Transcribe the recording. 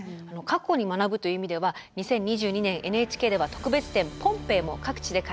過去に学ぶという意味では２０２２年ＮＨＫでは特別展ポンペイも各地で開催しています。